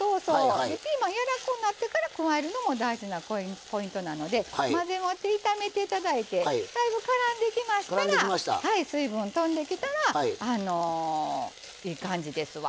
ピーマンがやわらかくなってから入れるのが大事なポイントなので混ぜもっていただいてもらって最後、からんできましたら水分とんできたらいい感じですわ。